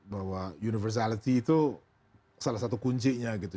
bahwa universality itu salah satu kuncinya gitu